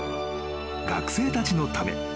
［学生たちのため］